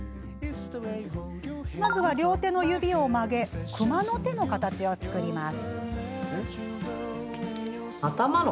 まずは、両手の指を曲げ熊の手の形を作ります。